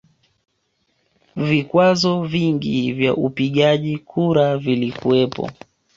Vikwazo vingi vya upigaji kura vilikuwepo